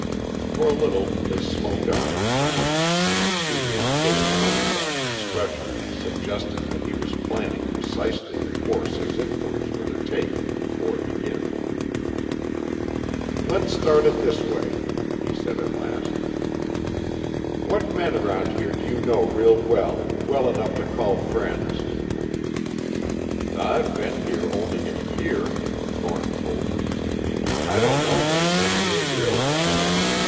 For a little they smoked on in silence, Two Hand Billy Comstock's expression suggesting that he was planning precisely the course his inquiries were to take before beginning. "Let's start in this way!" he said at last. "What men around here do you know real well, well enough to call friends?" "I've been here only a year," Thornton told him. "I don't know many men here real well.